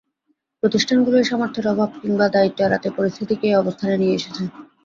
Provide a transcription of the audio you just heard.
প্রতিষ্ঠানগুলোই সামর্থ্যের অভাব কিংবা দায়িত্ব এড়াতে পরিস্থিতিকে এই অবস্থানে নিয়ে এসেছে।